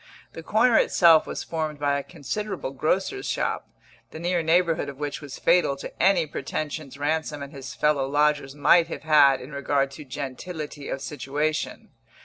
The corner itself was formed by a considerable grocer's shop, the near neighbourhood of which was fatal to any pretensions Ransom and his fellow lodgers might have had in regard to gentility of situation.